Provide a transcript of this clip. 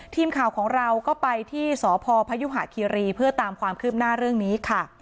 ทีมข่าวของเราก็ไปที่สพพยุหะคีรีเพื่อตามความคืบหน้าเรื่องนี้ค่ะ